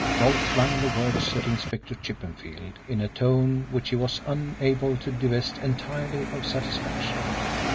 Rolfe flung the words at Inspector Chippenfield in a tone which he was unable to divest entirely of satisfaction.